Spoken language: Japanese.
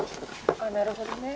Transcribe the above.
なるほどね。